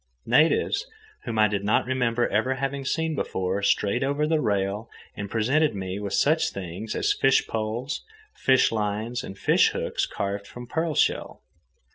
Natives whom I did not remember ever having seen before strayed over the rail and presented me with such things as fish poles, fish lines, and fish hooks carved from pearl shell.